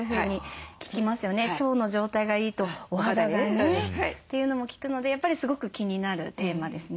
腸の状態がいいとお肌がねというのも聞くのでやっぱりすごく気になるテーマですね。